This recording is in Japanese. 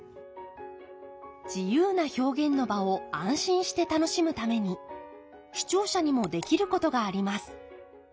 自由な表現の場を安心して楽しむために視聴者にもできることがあります。